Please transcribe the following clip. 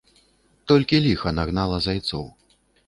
Толькі ліха нагнала зайцоў.